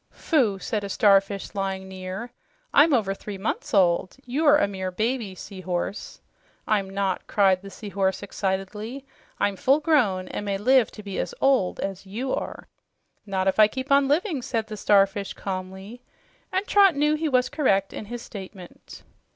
"Phoo!" said a Starfish lying near. "I'm over three months old. You're a mere baby, Sea Horse." "I'm not!" cried the Sea Horse excitedly. "I'm full grown and may live to be as old as you are!" "Not if I keep on living," said the Starfish calmly, and Trot knew he was correct in his statement.